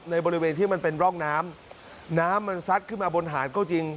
บริเวณที่มันเป็นร่องน้ำน้ำมันซัดขึ้นมาบนหาดก็จริง